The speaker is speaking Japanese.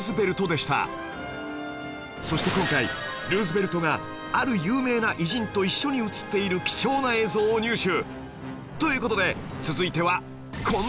そして今回ルーズベルトがある有名な偉人と一緒に映っている貴重な映像を入手！